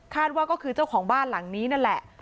ว่าก็คือเจ้าของบ้านหลังนี้นั่นแหละ